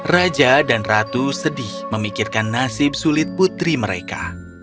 raja dan ratu sedih memikirkan nasib sulit putri mereka